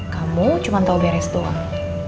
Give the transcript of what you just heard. kamu cuma tahu beres doang